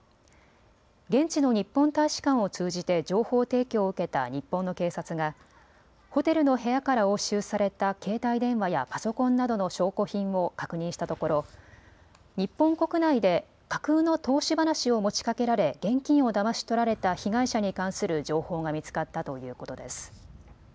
現地の日本大使館を通じて情報提供を受けた日本の警察がホテルの部屋から押収された携帯電話やパソコンなどの証拠品を確認したところ、日本国内で架空の投資話を持ちかけられ現金をだまし取られた被害者に関する情報が見つかったということです。